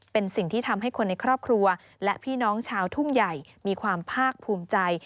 เป็นสิ่งที่ทำให้คนในครอบครัวและพี่น้องชาวทุ่งใหญ่มีความภาคภูมิใจ